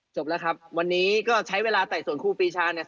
จบแล้วครับวันนี้ก็ใช้เวลาไต่สวนครูปีชาเนี่ย